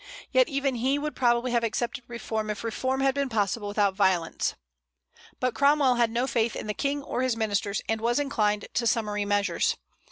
Yet even he would probably have accepted reform if reform had been possible without violence. But Cromwell had no faith in the King or his ministers, and was inclined to summary measures.